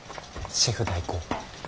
シェフ代行。